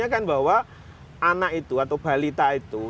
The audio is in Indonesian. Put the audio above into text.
saya kan bahwa anak itu atau balita itu